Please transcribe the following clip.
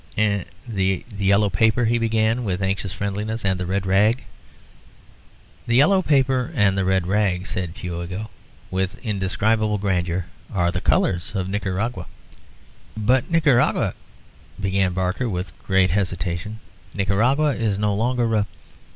"And the yellow paper," he began, with anxious friendliness, "and the red rag...." "The yellow paper and the red rag," said Fuego, with indescribable grandeur, "are the colours of Nicaragua." "But Nicaragua ..." began Barker, with great hesitation, "Nicaragua is no longer a...."